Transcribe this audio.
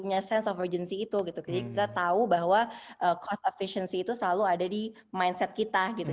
jadi kita punya sense of urgency itu gitu jadi kita tahu bahwa cost efficiency itu selalu ada di mindset kita gitu